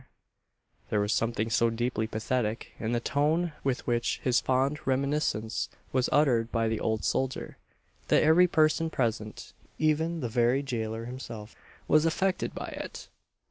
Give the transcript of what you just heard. There was something so deeply pathetic in the tone with which this fond reminiscence was uttered by the old soldier, that every person present, even the very gaoler himself, was affected by it.